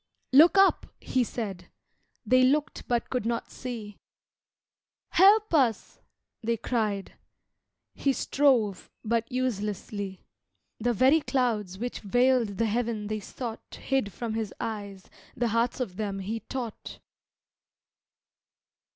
"Look up!" he said. They looked but could not see. "Help us!" they cried. He strove, but uselessly The very clouds which veiled the heaven they sought Hid from his eyes the hearts of them he taught!